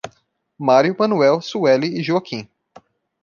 Mário, Manuel. Sueli e Joaquim